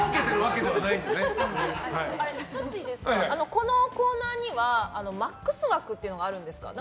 このコーナーにはＭＡＸ枠というのがあるんですか。